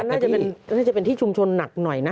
น่าจะเป็นที่ชุมชนหนักหน่อยนะ